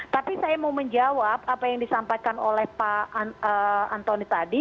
tapi saya mau menjawab apa yang disampaikan oleh pak antoni tadi